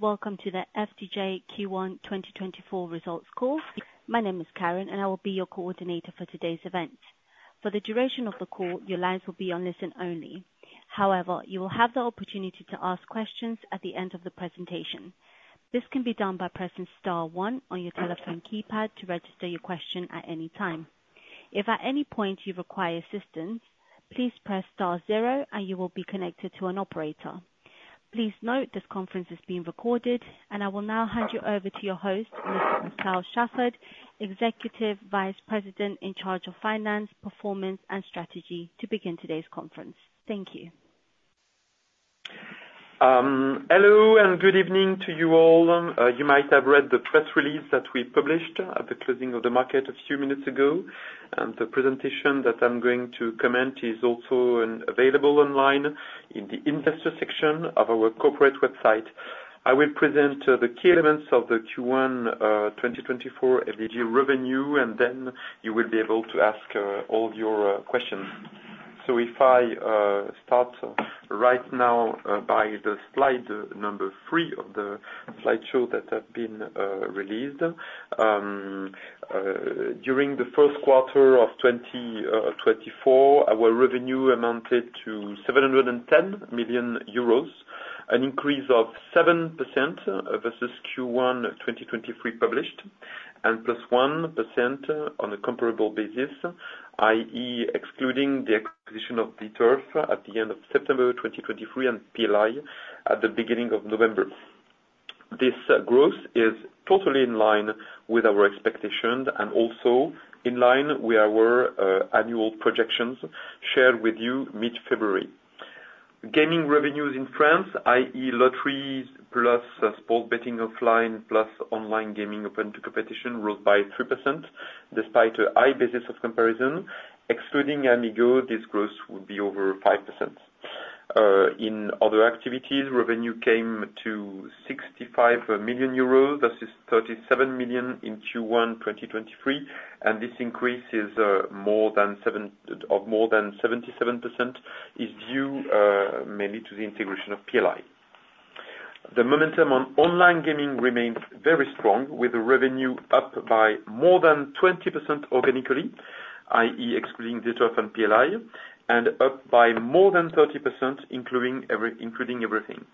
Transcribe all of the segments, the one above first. Welcome to the FDJ Q1 2024 results call. My name is Karen, and I will be your coordinator for today's event. For the duration of the call, your lines will be on listen only. However, you will have the opportunity to ask questions at the end of the presentation. This can be done by pressing star one on your telephone keypad to register your question at any time. If at any point you require assistance, please press star zero, and you will be connected to an operator. Please note, this conference is being recorded, and I will now hand you over to your host, Pascal Chaffard, Executive Vice President in charge of Finance, Performance, and Strategy, to begin today's conference. Thank you. Hello, and good evening to you all. You might have read the press release that we published at the closing of the market a few minutes ago, and the presentation that I'm going to comment is also available online in the investor section of our corporate website. I will present the key elements of the Q1 2024 FDJ revenue, and then you will be able to ask all your questions. So if I start right now, by the slide number three of the slideshow that have been released. During the first quarter of 2024, our revenue amounted to 710 million euros, an increase of 7% versus Q1 2023 published, and +1% on a comparable basis, i.e., excluding the acquisition of ZEturf at the end of September 2023 and PLI at the beginning of November. This growth is totally in line with our expectations and also in line with our annual projections shared with you mid-February. Gaming revenues in France, i.e., lotteries plus sports betting offline plus online gaming open to competition, rose by 3% despite a high basis of comparison. Excluding Amigo, this growth will be over 5%. In other activities, revenue came to 65 million euros versus 37 million in Q1 2023, and this increase is more than 77%, is due mainly to the integration of PLI. The momentum on online gaming remains very strong, with revenue up by more than 20% organically, i.e., excluding ZEturf and PLI, and up by more than 30%, including everything.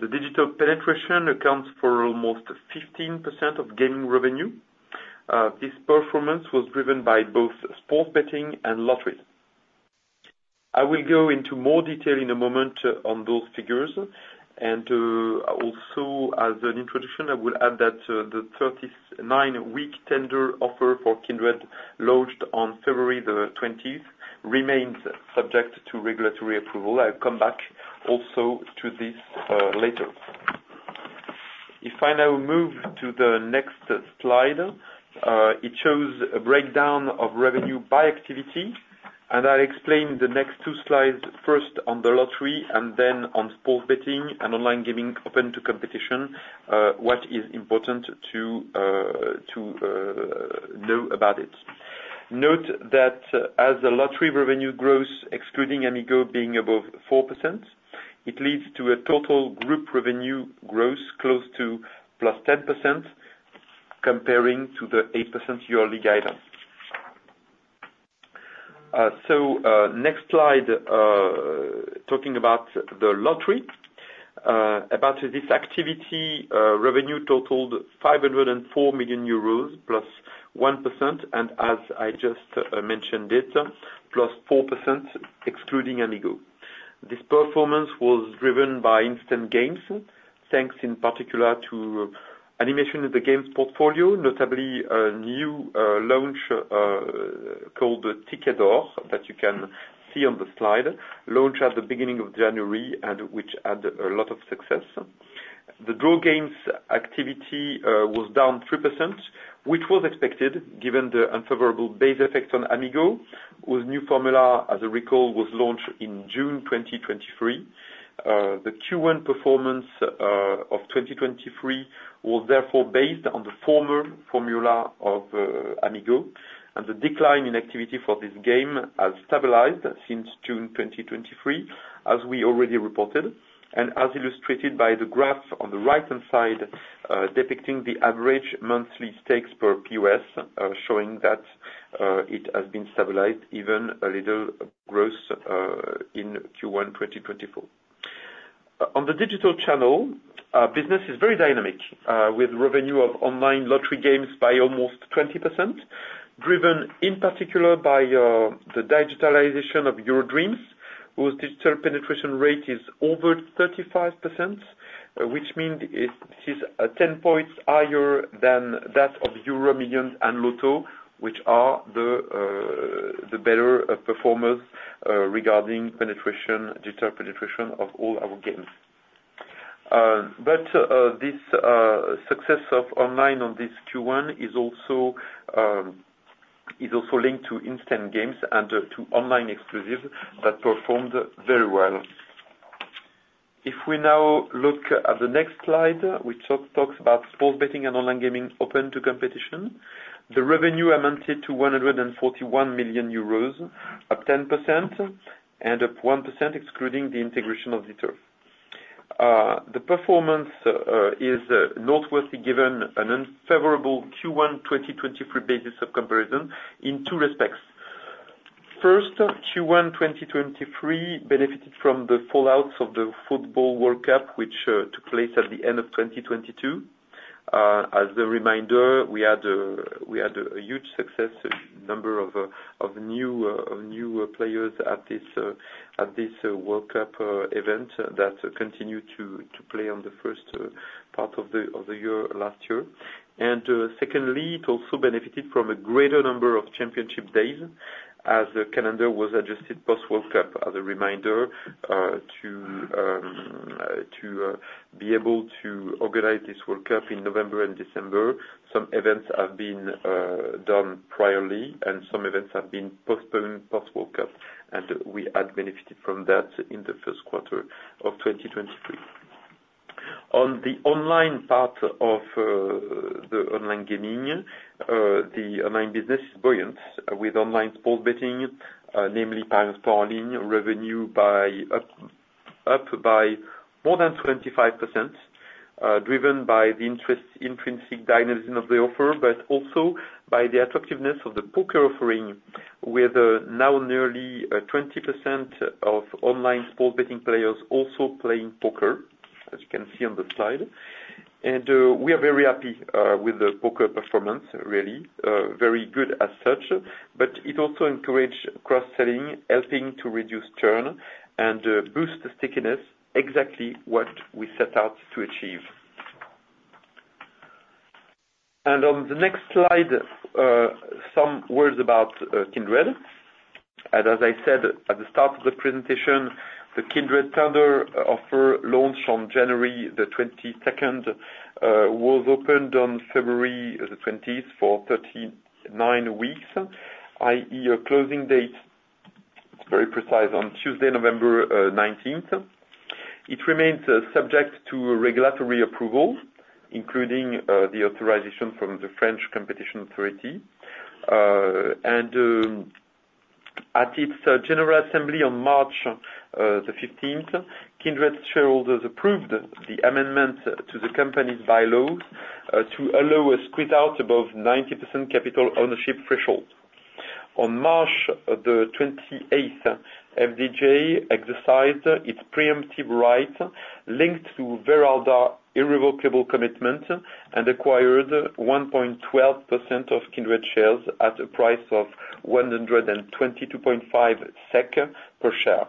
The digital penetration accounts for almost 15% of gaming revenue. This performance was driven by both sports betting and lottery. I will go into more detail in a moment on those figures, and also as an introduction, I will add that the 39-week tender offer for Kindred, launched on February 20th, remains subject to regulatory approval. I'll come back also to this later. If I now move to the next slide, it shows a breakdown of revenue by activity, and I'll explain the next two slides, first on the lottery and then on sports betting and online gaming open to competition, what is important to know about it. Note that as the lottery revenue grows, excluding Amigo being above 4%, it leads to a total group revenue growth close to +10% comparing to the 8% yearly guidance. So, next slide, talking about the lottery. About this activity, revenue totaled 504 million euros, +1%, and as I just mentioned it, +4%, excluding Amigo. This performance was driven by instant games, thanks in particular to animation of the games portfolio, notably a new launch called Ticket Or, that you can see on the slide, launched at the beginning of January and which had a lot of success. The draw games activity was down 3%, which was expected given the unfavorable base effect on Amigo, whose new formula, as I recall, was launched in June 2023. The Q1 performance of 2023 was therefore based on the former formula of Amigo, and the decline in activity for this game has stabilized since June 2023, as we already reported, and as illustrated by the graph on the right-hand side depicting the average monthly stakes per POS, showing that it has been stabilized, even a little growth, in Q1 2024. On the digital channel, our business is very dynamic, with revenue of online lottery games by almost 20%, driven in particular by the digitalization of EuroDreams, whose digital penetration rate is over 35%, which means it is 10 points higher than that of EuroMillions and Loto, which are the better performers regarding digital penetration of all our games. But this success of online on this Q1 is also linked to instant games and to online exclusive that performed very well. If we now look at the next slide, which talks about sports betting and online gaming open to competition. The revenue amounted to 141 million euros, up 10%, and up 1% excluding the integration of ZEturf. The performance is noteworthy given an unfavorable Q1 2023 basis of comparison in two respects. First, Q1 2023 benefited from the fallouts of the football World Cup, which took place at the end of 2022. As a reminder, we had a huge success, number of new players at this World Cup event that continued to play on the first part of the year last year. And, secondly, it also benefited from a greater number of championship days as the calendar was adjusted post-World Cup. As a reminder, to be able to organize this World Cup in November and December, some events have been done priorly and some events have been postponed post-World Cup, and we had benefited from that in the first quarter of 2023. On the online part of the online gaming, the online business is buoyant, with online sports betting, namely pari-mutuel, revenue up by more than 25%, driven by the intrinsic dynamism of the offer, but also by the attractiveness of the poker offering, with now nearly 20% of online sports betting players also playing poker, as you can see on the slide. And we are very happy with the poker performance, really. Very good as such, but it also encouraged cross-selling, helping to reduce churn and boost stickiness, exactly what we set out to achieve. And on the next slide, some words about Kindred. And as I said at the start of the presentation, the Kindred tender offer launched on January 22nd was opened on February 20th for 39 weeks, i.e., a closing date, very precise, on Tuesday, November 19th. It remains subject to regulatory approvals, including the authorization from the French Competition Authority. And at its general assembly on March 15th, Kindred shareholders approved the amendment to the company's bylaws to allow a squeeze-out above 90% capital ownership threshold. On March 28th, FDJ exercised its preemptive right linked to Veralda's irrevocable commitment, and acquired 1.12% of Kindred shares at a price of 122.5 SEK per share.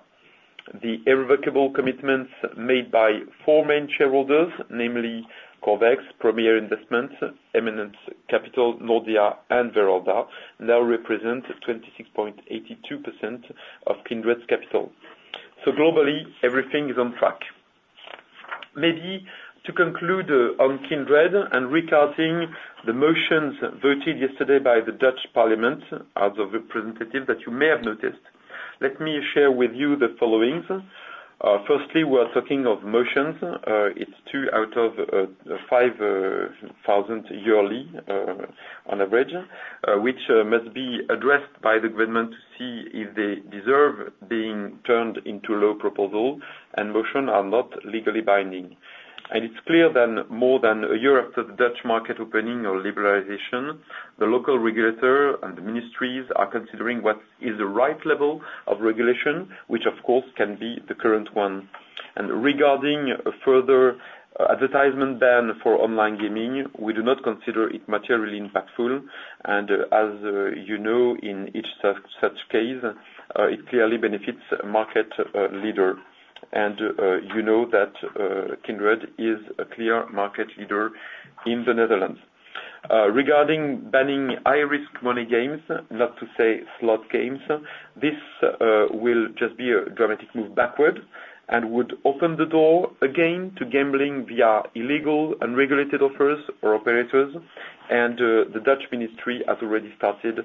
The irrevocable commitments made by four main shareholders, namely Corvex, Premier Investissement, Eminence Capital, Nordea, and Veralda, now represent 26.82% of Kindred's capital. So globally, everything is on track. Maybe to conclude on Kindred and regarding the motions voted yesterday by the Dutch parliament, as a representative that you may have noticed, let me share with you the following. Firstly, we are talking of motions. It's two out of 5,000 yearly, on average, which must be addressed by the government to see if they deserve being turned into law proposals, and motions are not legally binding. It's clear then, more than a year after the Dutch market opening or liberalization, the local regulator and ministries are considering what is the right level of regulation, which of course can be the current one. Regarding a further advertisement ban for online gaming, we do not consider it materially impactful, and as you know, in each such case, it clearly benefits market leader. You know that Kindred is a clear market leader in the Netherlands. Regarding banning high-risk money games, not to say slot games, this will just be a dramatic move backward and would open the door again to gambling via illegal, unregulated offers or operators. The Dutch Minister has already started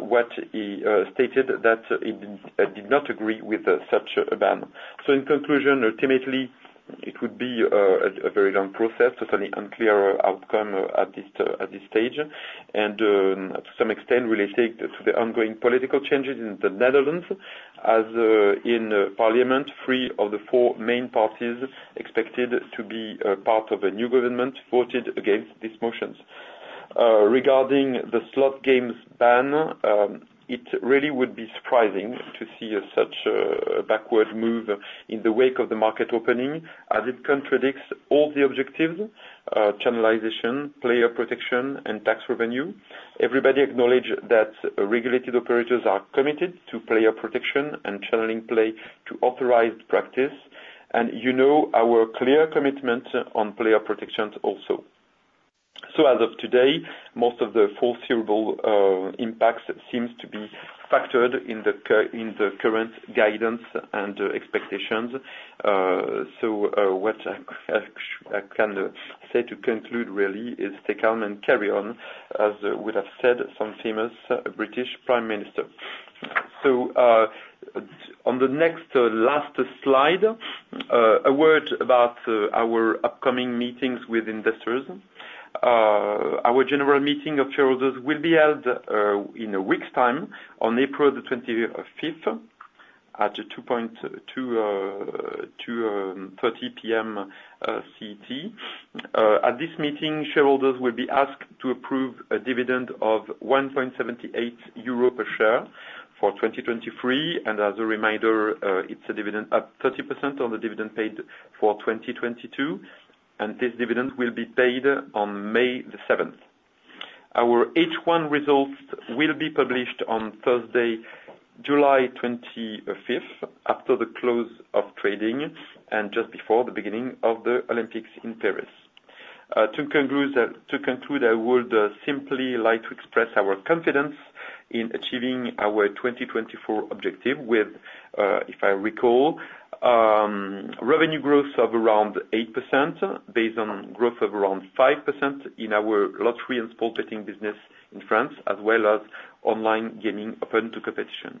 what he stated, that he did not agree with such a ban. In conclusion, ultimately it would be a very long process with an unclear outcome at this stage, and to some extent related to the ongoing political changes in the Netherlands, as in parliament, three of the four main parties expected to be part of a new government voted against these motions. Regarding the slot games ban, it really would be surprising to see such a backward move in the wake of the market opening, as it contradicts all the objectives, channelization, player protection, and tax revenue. Everybody acknowledge that regulated operators are committed to player protection and channeling play to authorized practice, and you know our clear commitment on player protection also. So as of today, most of the foreseeable impacts seems to be factored in the current guidance and expectations. What I can say to conclude really is take on and carry on, as would have said some famous British prime minister. On the next, last slide, a word about our upcoming meetings with investors. Our general meeting of shareholders will be held in a week's time on April 25th, at 2:30 P.M. CET. At this meeting, shareholders will be asked to approve a dividend of 1.78 euro per share for 2023, and as a reminder, it's a dividend up 30% on the dividend paid for 2022, and this dividend will be paid on May 7th. Our H1 results will be published on Thursday, July 25th, after the close of trading and just before the beginning of the Olympics in Paris. To conclude, I would simply like to express our confidence in achieving our 2024 objective with, if I recall, revenue growth of around 8% based on growth of around 5% in our lottery and sports betting business in France, as well as online gaming open to competition.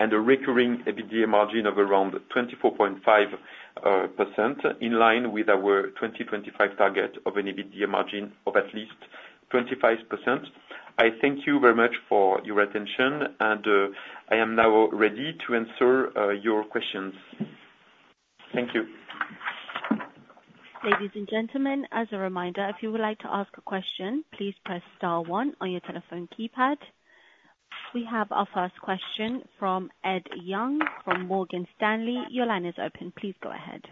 And a recurring EBITDA margin of around 24.5%, in line with our 2025 target of an EBITDA margin of at least 25%. I thank you very much for your attention and, I am now ready to answer your questions. Thank you. Ladies and gentlemen, as a reminder, if you would like to ask a question, please press star one on your telephone keypad. We have our first question from Ed Young, from Morgan Stanley. Your line is open. Please go ahead.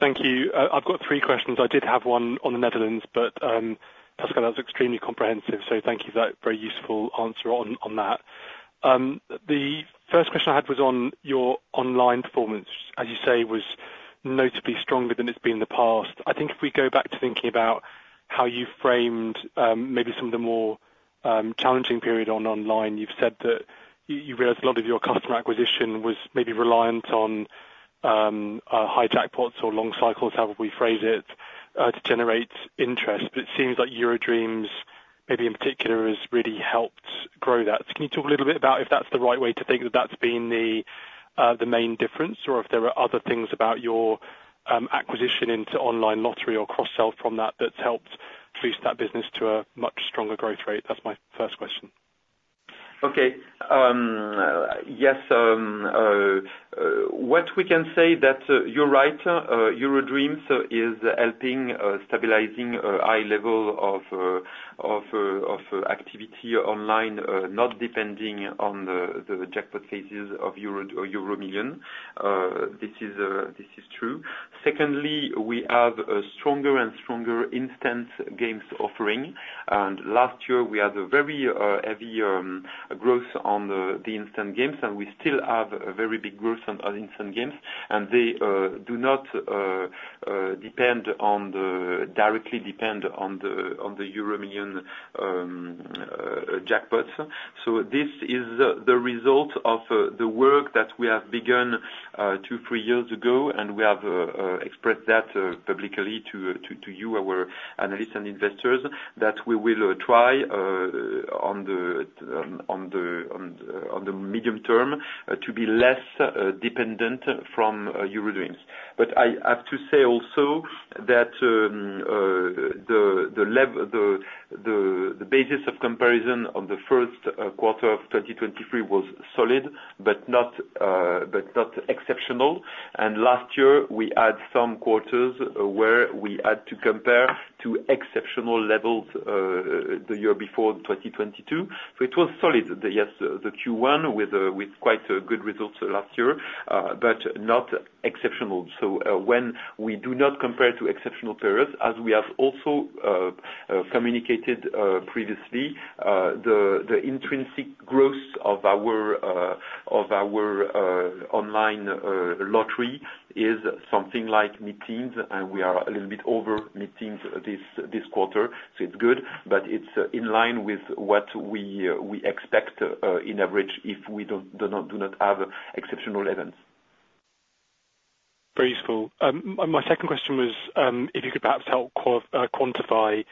Thank you. I've got three questions. I did have one on the Netherlands, but, Pascal, that was extremely comprehensive, so thank you for that very useful answer on, on that. The first question I had was on your online performance, as you say, was notably stronger than it's been in the past. I think if we go back to thinking about how you framed, maybe some of the more, challenging period on online, you've said that you realized a lot of your customer acquisition was maybe reliant on, high jackpots or long cycles, however we phrase it, to generate interest. But it seems like EuroDreams, maybe in particular, has really helped grow that. So can you talk a little bit about if that's the right way to think, that that's been the main difference, or if there are other things about your acquisition into online lottery or cross-sell from that, that's helped boost that business to a much stronger growth rate? That's my first question. Okay. Yes, what we can say that you're right, EuroDreams is helping stabilizing a high level of of activity online, not depending on the jackpot phases of EuroMillions. This is true. Secondly, we have a stronger and stronger instant games offering, and last year we had a very heavy growth on the instant games, and we still have a very big growth on our instant games, and they do not directly depend on the EuroMillions jackpots. So this is the result of the work that we have begun two to three years ago, and we have expressed that publicly to you, our analysts and investors, that we will try on the medium term to be less dependent from EuroDreams. But I have to say also that the basis of comparison on the first quarter of 2023 was solid, but not exceptional. And last year we had some quarters where we had to compare to exceptional levels the year before, 2022. So it was solid, the Q1 with quite a good results last year, but not exceptional. So, when we do not compare to exceptional periods, as we have also communicated previously, the intrinsic growth of our online lottery is something like mid-teens, and we are a little bit over mid-teens this quarter. So it's good, but it's in line with what we expect in average, if we don't have exceptional events. Very useful. My second question was, if you could perhaps help quantify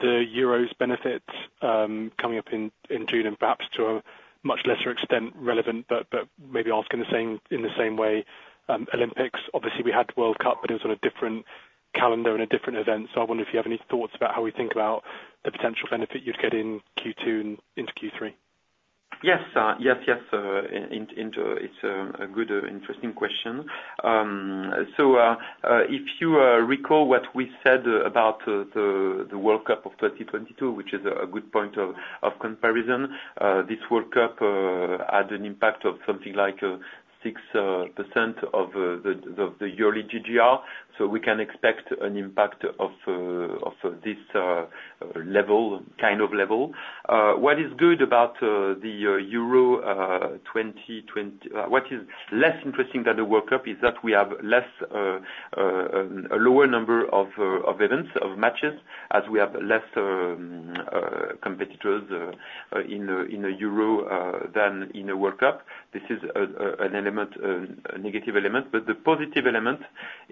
the Euro's benefits coming up in June, and perhaps to a much lesser extent relevant, but maybe asking the same in the same way, Olympics. Obviously, we had the World Cup, but it was on a different calendar and a different event. So I wonder if you have any thoughts about how we think about the potential benefit you'd get in Q2 and into Q3? Yes, yes, it's a good, interesting question. So, if you recall what we said about the World Cup of 2022, which is a good point of comparison, this World Cup had an impact of something like 6% of the yearly GGR. So we can expect an impact of this level, kind of level. What is good about the Euro 2024. What is less interesting than the World Cup is that we have less, a lower number of events, of matches, as we have less competitors in the Euro than in the World Cup. This is an element, a negative element, but the positive element-...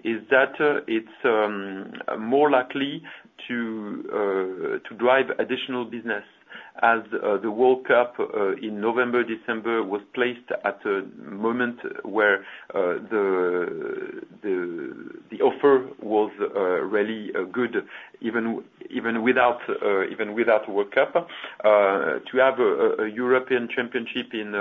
is that it's more likely to drive additional business as the World Cup in November, December, was placed at a moment where the offer was really good, even without World Cup. To have a European Championship in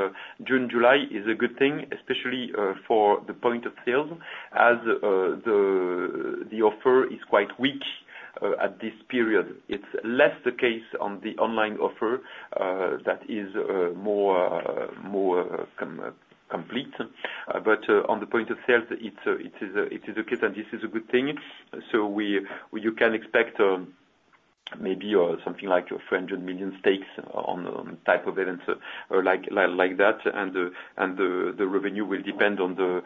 June, July, is a good thing, especially for the point of sales, as the offer is quite weak at this period. It's less the case on the online offer that is more complete. But on the point of sales, it is the case, and this is a good thing. So you can expect maybe something like 400 million stakes on type of event, or like that. The revenue will depend on the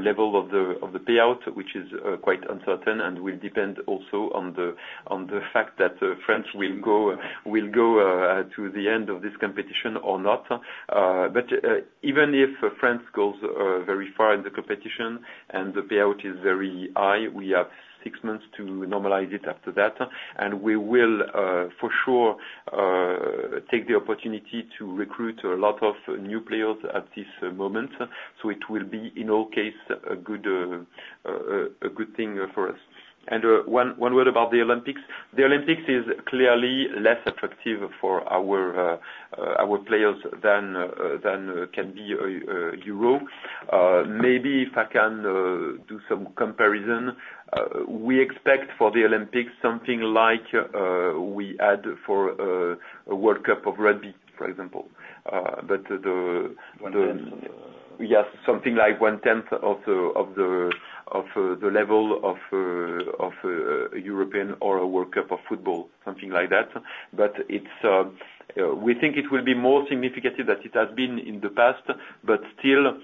level of the payout, which is quite uncertain, and will depend also on the fact that France will go to the end of this competition or not. But even if France goes very far in the competition, and the payout is very high, we have six months to normalize it after that. And we will for sure take the opportunity to recruit a lot of new players at this moment. So it will be, in all case, a good thing for us. And one word about the Olympics. The Olympics is clearly less attractive for our players than can be Euro. Maybe if I can do some comparison, we expect for the Olympics something like we had for a World Cup of Rugby, for example. But the, the- One tenth. Yes, something like 1/10 of the level of European or a World Cup of football, something like that. But it's... We think it will be more significant than it has been in the past, but still,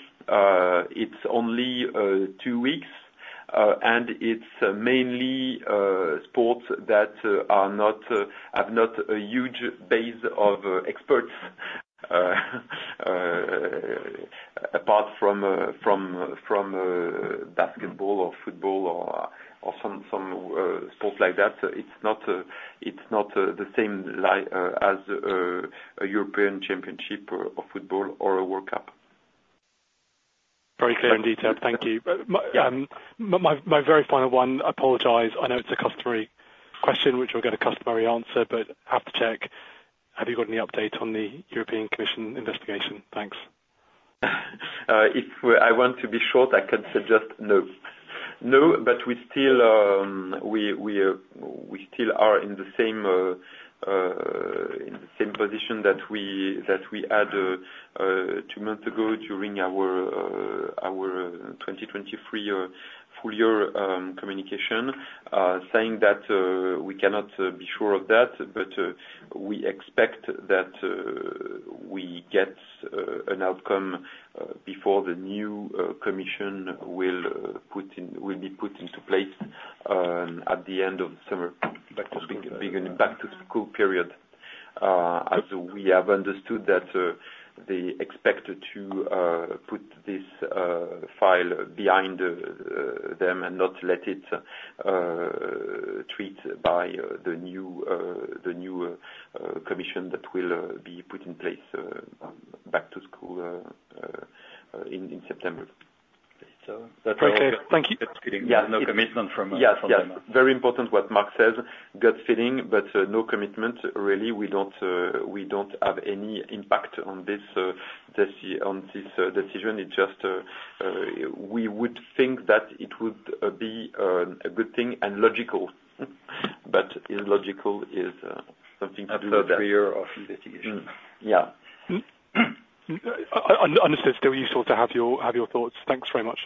it's only two weeks, and it's mainly sports that are not have not a huge base of experts, apart from basketball or football or some sports like that. It's not the same like as a European Championship or of football or a World Cup. Very clear indeed, sir. Thank you. But my very final one, I apologize. I know it's a customary question, which will get a customary answer, but I have to check. Have you got any update on the European Commission investigation? Thanks. If I want to be short, I can say just, no. No, but we still are in the same position that we had two months ago during our 2023 full-year communication. Saying that we cannot be sure of that, but we expect that we get an outcome before the new commission will be put into place at the end of summer. Back to school. Beginning back to school period. As we have understood that, they expect to put this file behind them, and not let it treat by the new commission that will be put in place, back to school in September. So that's all. Okay. Thank you. Yeah, no commitment from us. Yes. Yes. Very important what Marc says, gut feeling, but no commitment really. We don't, we don't have any impact on this, this, on this decision. It's just, we would think that it would be a good thing and logical, but illogical is something to do with that. Fear of investigation. Mm. Yeah. Understand. Still useful to have your, have your thoughts. Thanks very much.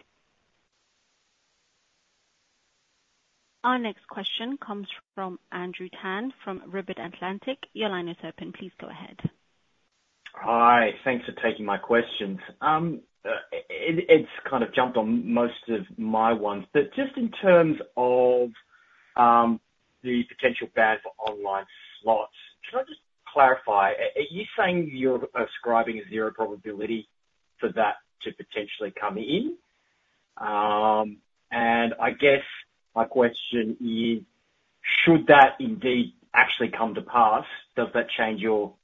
Our next question comes from Andrew Tam, from Redburn Atlantic. Your line is open. Please go ahead. Hi, thanks for taking my questions. Ed, Ed's kind of jumped on most of my ones, but just in terms of the potential ban for online slots, can I just clarify, are you saying you're ascribing a zero probability for that to potentially come in? And I guess my question is, should that indeed actually come to pass, does that change your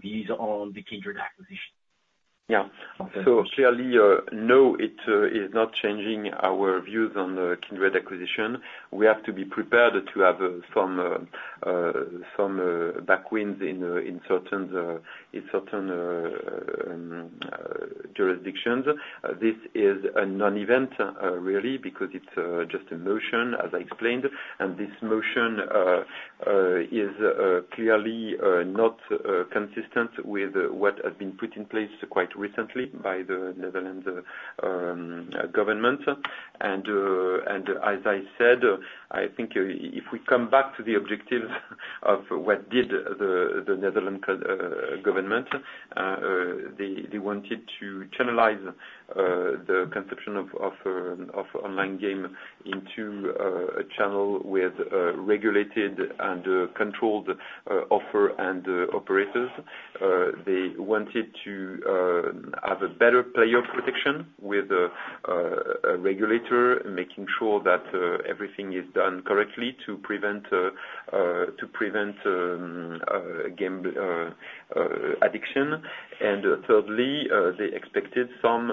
views on the Kindred acquisition? Yeah. So clearly, no, it is not changing our views on the Kindred acquisition. We have to be prepared to have some headwinds in certain jurisdictions. This is a non-event, really, because it's just a motion, as I explained. And this motion is clearly not consistent with what has been put in place quite recently by the Netherlands government. And as I said, I think if we come back to the objective of what the Netherlands government, they wanted to channelize the consumption of online game into channel with regulated and controlled offer and operators. They wanted to have a better player protection with a regulator, making sure that everything is done correctly to prevent gambling addiction. And thirdly, they expected some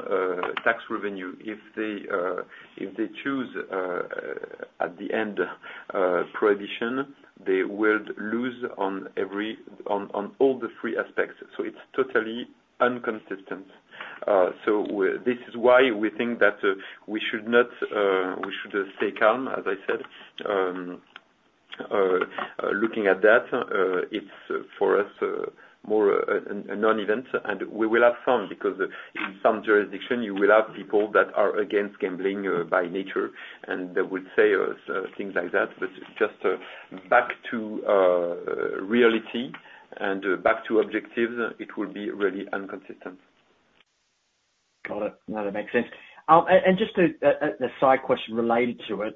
tax revenue. If they choose at the end prohibition, they would lose on every one, on all the three aspects, so it's totally inconsistent. So this is why we think that we should not, we should stay calm, as I said. Looking at that, it's for us more a non-event, and we will have some, because in some jurisdiction, you will have people that are against gambling by nature, and they will say things like that. But just, back to reality and back to objective, it will be really inconsistent. Got it. No, that makes sense. And just a side question related to it,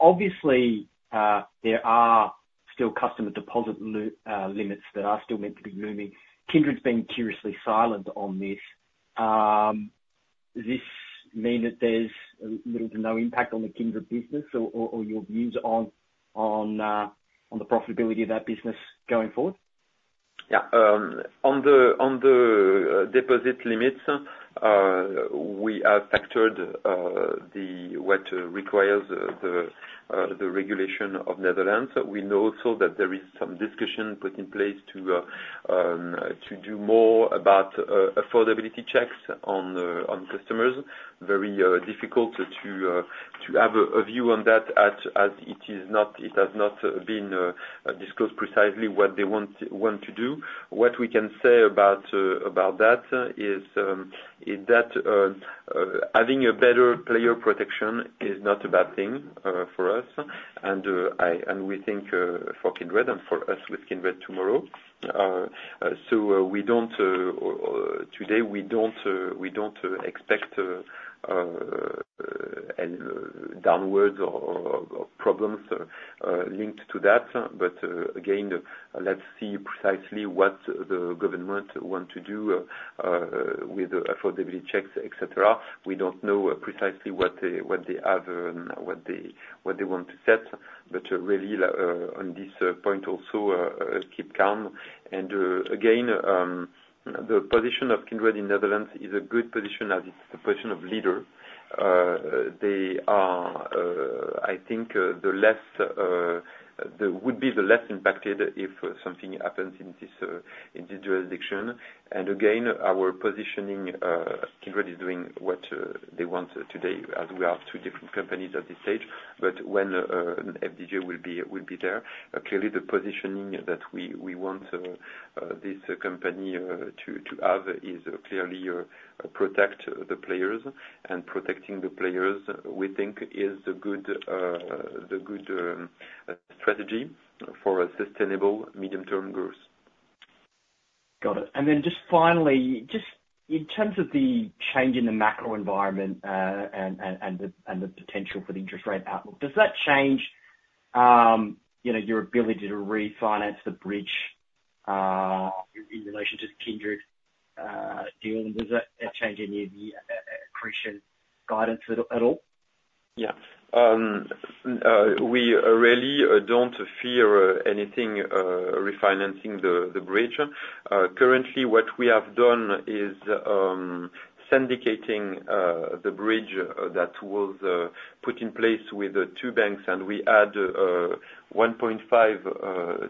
obviously, there are still customer deposit limits that are still meant to be looming. Kindred's been curiously silent on this. Does this mean that there's little to no impact on the Kindred business or your views on the profitability of that business going forward? Yeah, on the deposit limits, we have factored what the regulation of the Netherlands requires. We know also that there is some discussion put in place to do more about affordability checks on customers. Very difficult to have a view on that, as it is not- it has not been discussed precisely what they want to do. What we can say about that is that having a better player protection is not a bad thing for us, and we think for Kindred and for us with Kindred tomorrow. So, today we don't expect any downwards or problems linked to that. But, again, let's see precisely what the government want to do, with affordability checks, et cetera. We don't know precisely what they have and what they want to set, but really, on this point also, keep calm. And, again, the position of Kindred in Netherlands is a good position, as it's the position of leader. They are, I think, the less... They would be the less impacted if something happens in this, in this jurisdiction. And again, our positioning, Kindred is doing what they want today, as we are two different companies at this stage. But when FDJ will be there, clearly the positioning that we want this company to have is clearly to protect the players, and protecting the players, we think is a good strategy for a sustainable medium-term growth. Got it. And then just finally, just in terms of the change in the macro environment, and the potential for the interest rate outlook, does that change, you know, your ability to refinance the bridge, in relation to Kindred deal? Does that change any of the accretion guidance at all? Yeah. We really don't fear anything refinancing the bridge. Currently, what we have done is syndicating the bridge that was put in place with two banks, and we add 1.5x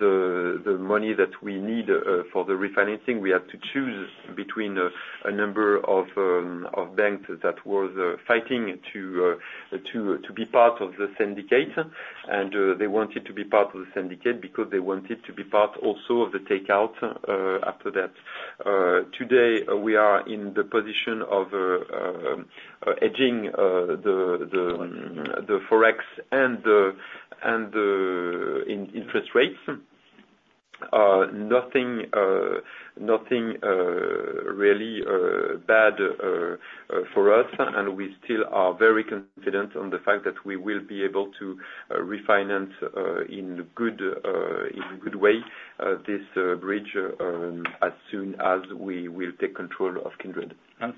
the money that we need for the refinancing. We have to choose between a number of banks that was fighting to be part of the syndicate. And they wanted to be part of the syndicate because they wanted to be part also of the takeout after that. Today, we are in the position of hedging the Forex and the interest rates. Nothing really bad for us, and we still are very confident on the fact that we will be able to refinance in good way this bridge as soon as we will take control of Kindred.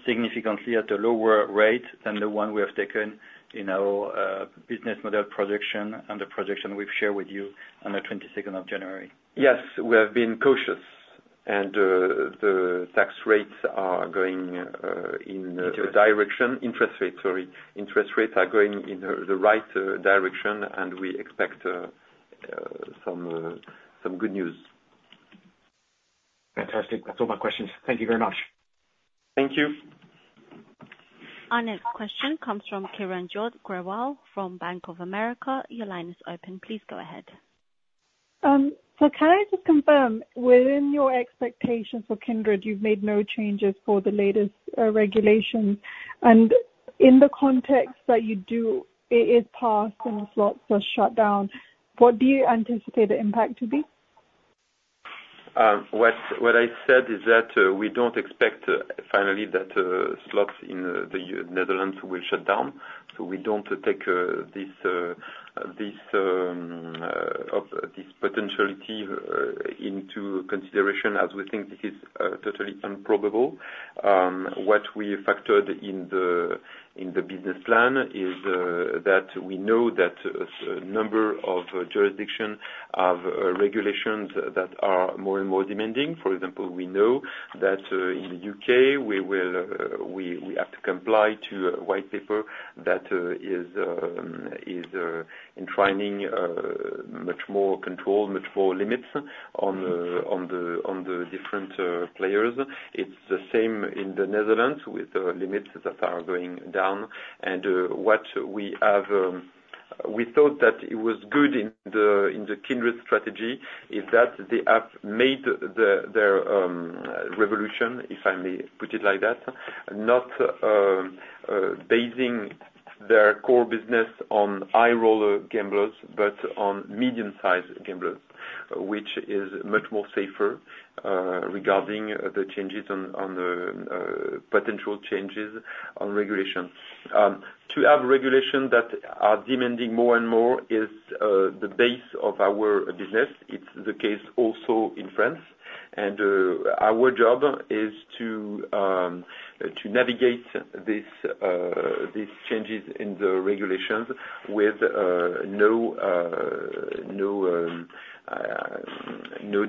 Significantly at a lower rate than the one we have taken in our business model projection and the projection we've shared with you on the 22nd of January. Yes, we have been cautious, and, the tax rates are going, in, Direction. Direction. Interest rates, sorry. Interest rates are going in the right direction, and we expect some good news. Fantastic. That's all my questions. Thank you very much. Thank you. Our next question comes from Kiranjot Grewal from Bank of America. Your line is open. Please go ahead. So can I just confirm, within your expectations for Kindred, you've made no changes for the latest regulations? And in the context that you do, it is passed and the slots are shut down, what do you anticipate the impact to be? ... What I said is that we don't expect finally that slots in the Netherlands will shut down, so we don't take this, this of this potentiality into consideration as we think this is totally improbable. What we factored in the business plan is that we know that a number of jurisdiction have regulations that are more and more demanding. For example, we know that in the U.K., we will, we have to comply to a white paper that is enshrining much more control, much more limits on the different players. It's the same in the Netherlands, with the limits that are going down. And what we have, we thought that it was good in the Kindred strategy, is that they have made their revolution, if I may put it like that. Not basing their core business on high roller gamblers, but on medium-sized gamblers, which is much more safer regarding the changes on the potential changes on regulation. To have regulation that are demanding more and more is the base of our business. It's the case also in France, and our job is to navigate this these changes in the regulations with no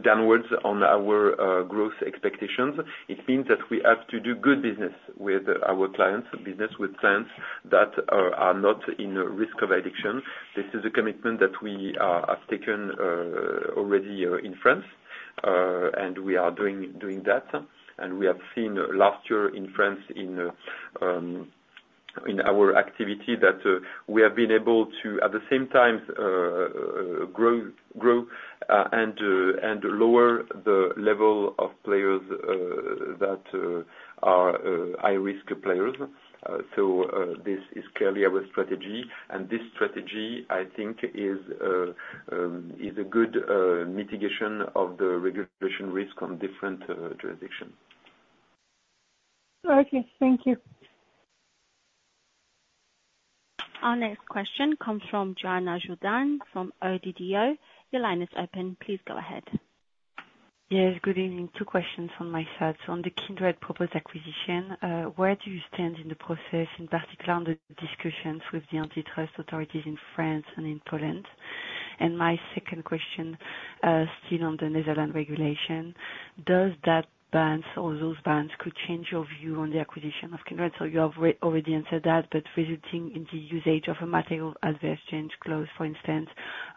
downwards on our growth expectations. It means that we have to do good business with our clients, business with clients that are not in a risk of addiction. This is a commitment that we have taken already in France. We are doing that. We have seen last year in France, in our activity, that we have been able to, at the same time, grow and lower the level of players that are high-risk players. This is clearly our strategy, and this strategy, I think, is a good mitigation of the regulatory risk on different jurisdictions. Okay, thank you. Our next question comes from Johanna Jourdain from ODDO. Your line is open. Please go ahead. Yes, good evening. Two questions on my side. So on the Kindred proposed acquisition, where do you stand in the process, in particular on the discussions with the antitrust authorities in France and in Poland? And my second question, still on the Netherlands regulation, does that bans or those bans could change your view on the acquisition of Kindred? So you have already answered that, but resulting in the usage of a material adverse change clause, for instance,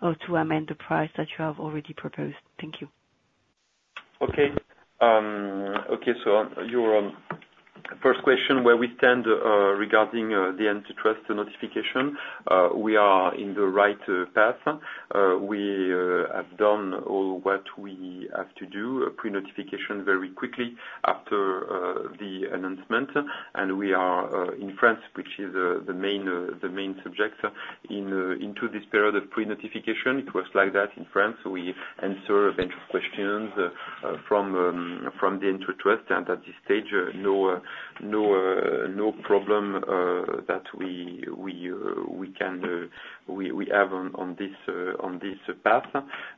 or to amend the price that you have already proposed. Thank you. Okay. Okay, so on your first question, where we stand regarding the antitrust notification, we are in the right path. We have done all what we have to do, pre-notification very quickly after the announcement. And we are in France, which is the main the main subject in into this period of pre-notification. It works like that in France. We answer a bunch of questions from from the antitrust, and at this stage no no no problem that we we we can we we have on on this on this path.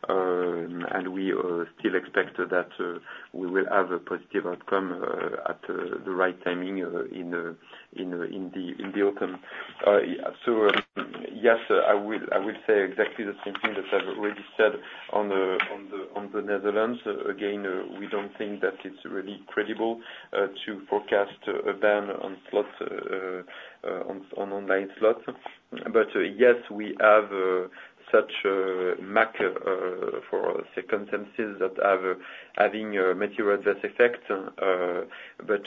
And we still expect that we will have a positive outcome at the right timing in in in the in the autumn. So yes, I will say exactly the same thing that I've already said on the Netherlands. Again, we don't think that it's really credible to forecast a ban on slots, on online slots. But yes, we have such in-market for circumstances that are having a material adverse effect, but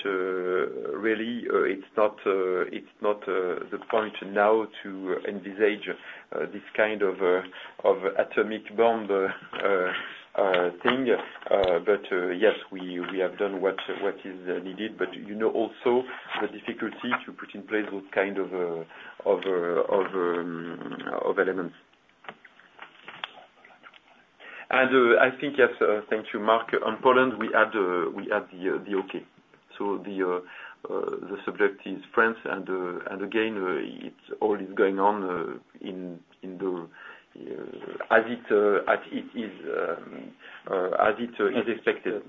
really, it's not the point now to envisage this kind of atomic bomb thing. But yes, we have done what is needed, but you know, also the difficulty to put in place those kind of elements. And I think, yes, thank you, Mark. On Poland, we had the okay. So the subject is France, and again, it's all going on as it is expected.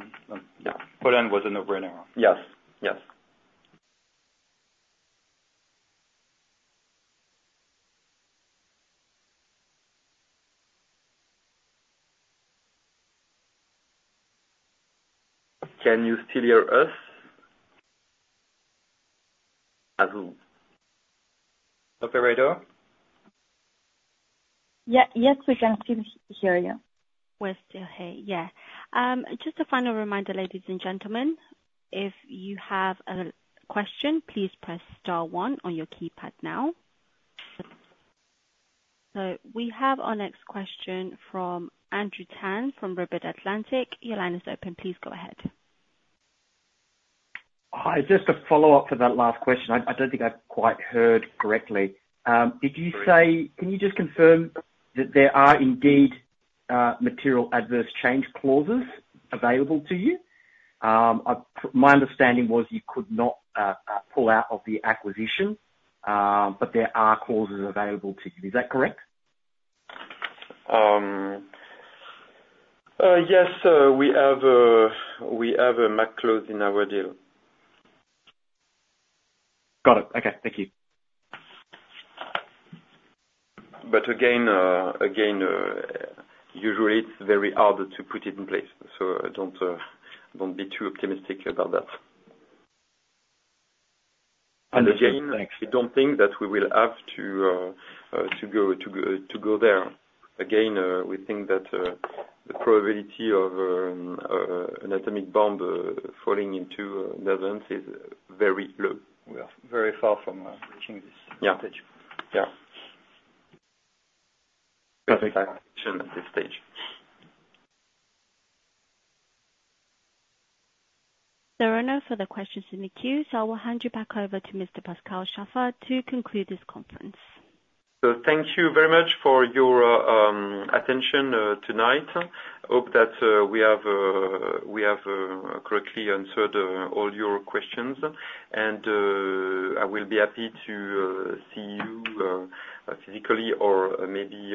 Yeah. Poland was a no-brainer. Yes. Yes. Can you still hear us? Allô. Operator? Yeah. Yes, we can still hear you. We're still here, yeah. Just a final reminder, ladies and gentlemen, if you have a question, please press star one on your keypad now. So we have our next question from Andrew Tam, from Redburn Atlantic. Your line is open. Please go ahead. ... Hi, just a follow-up to that last question. I, I don't think I quite heard correctly. Did you say, can you just confirm that there are indeed, Material Adverse Change clauses available to you? I, my understanding was you could not, pull out of the acquisition, but there are clauses available to you. Is that correct? We have a MAC clause in our deal. Got it. Okay, thank you. But again, usually it's very hard to put it in place, so don't, don't be too optimistic about that. Understood. Thanks. I don't think that we will have to go there. Again, we think that the probability of an atomic bomb falling into the event is very low. We are very far from reaching this stage. Yeah. Yeah. Perfect. At this stage. There are no further questions in the queue, so I will hand you back over to Mr. Pascal Chaffard to conclude this conference. So thank you very much for your attention tonight. Hope that we have correctly answered all your questions. And I will be happy to see you physically or maybe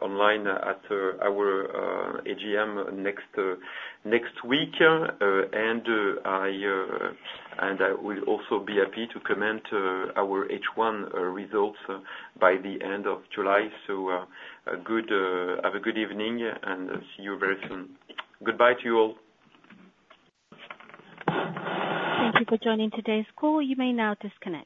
online at our AGM next week. And I will also be happy to comment our H1 results by the end of July. So, have a good evening, and see you very soon. Goodbye to you all. Thank you for joining today's call. You may now disconnect.